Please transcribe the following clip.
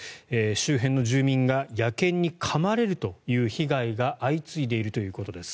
周辺の住民が野犬にかまれるという被害が相次いでいるということです。